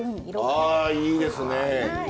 あいいですね。